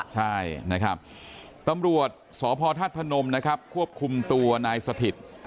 ใช่นะครับตำรวจสพธาตุพนมนะครับควบคุมตัวนายสถิต